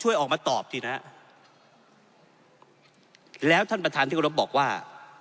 ช่วยออกมาตอบสินะฮะแล้วท่านประธานที่กรบบอกว่า